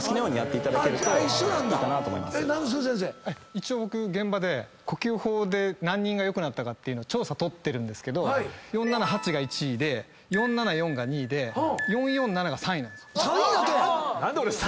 一応僕現場で呼吸法で何人が良くなったか調査取ってるんですけど４・７・８が１位で４・７・４が２位で４・４・７が３位なんです。３位やって！